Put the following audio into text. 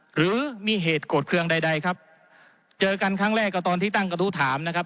หรือมีเหตุโกรธเครื่องใดใดครับเจอกันครั้งแรกก็ตอนที่ตั้งกระทู้ถามนะครับ